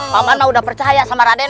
pak man sudah percaya sama raden